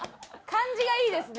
感じがいいですね。